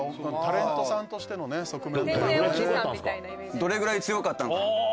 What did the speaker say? どれぐらい強かったのかなって。